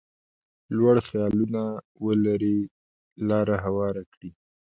لوړ خیالونه ولري لاره هواره کړي.